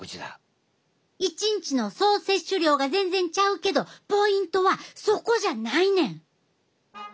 一日の総摂取量が全然ちゃうけどポイントはそこじゃないねん！